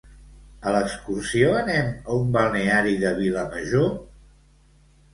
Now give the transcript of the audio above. a l'excursió anem a un balneari de Vilamajor?